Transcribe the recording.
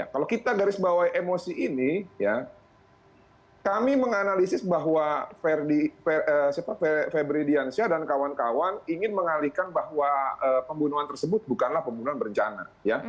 kalau kita garis bawah emosi ini kami menganalisis bahwa febri diansyah dan kawan kawan ingin mengalihkan bahwa pembunuhan tersebut bukanlah pembunuhan berencana